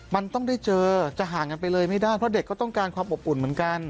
มันต้องได้เจอจะห่างกันไปเลยไม่ได้เพราะเด็กก็ต้องการความอบอุ่นเหมือนกัน